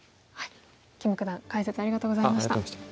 金九段解説ありがとうございました。